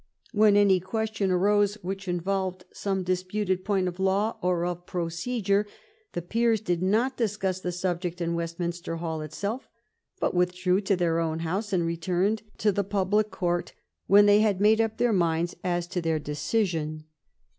When any question arose which involved some disputed point of law or of procedure, the peers did not discuss the subject in Westminster Hall itself, but withdrew to their own House and returned to the public court when they had made up their minds as to their de cision.